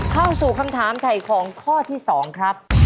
เข้าสู่คำถามถ่ายของข้อที่๒ครับ